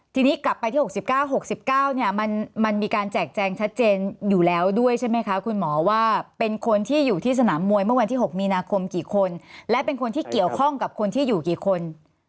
ทีนี้กลับไปที่๖๙๖๙เนี่ยมันมีการแจกแจงชัดเจนอยู่แล้วด้วยใช่ไหมคะคุณหมอว่าเป็นคนที่อยู่ที่สนามมวยเมื่อวันที่๖มีนาคมกี่คนและเป็นคนที่เกี่ยวข้องกับคนที่อยู่กี่คน